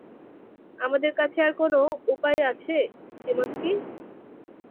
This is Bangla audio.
আমাদের কাছে আর কোনও উপায় আছে, যিমস্কি?